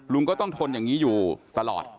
ลุงก็ต้องทนอย่างนี้อยู่ตลอด